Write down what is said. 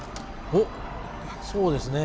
おっそうですね。